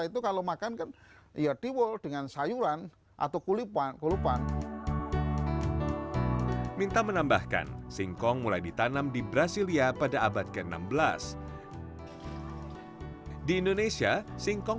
terus kita pertahankan sampai sekarang